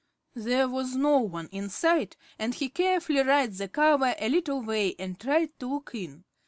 There was no one in sight, and he carefully raised the cover a little way and tried to look in.